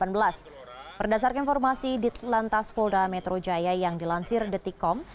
berdasarkan informasi di lantas folder metro jaya yang dilansir the t com